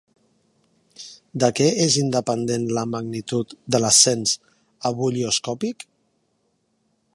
De què és independent la magnitud de l'ascens ebullioscòpic?